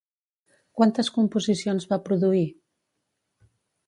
Quantes composicions va produir?